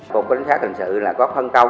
bộ cảnh sát thành sự là có phân công